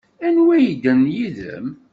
Anwi ay yeddren yid-m?